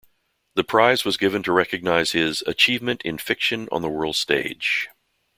The prize was given to recognise his "achievement in fiction on the world stage".